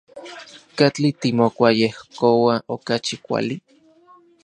¿Katli timokuayejkoua okachi kuali?